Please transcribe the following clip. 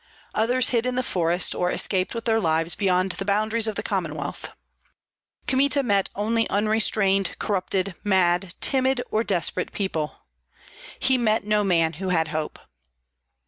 Others hid in the forest, or escaped with their lives beyond the boundaries of the Commonwealth. Kmita met only unrestrained, corrupted, mad, timid, or desperate people. He met no man who had hope.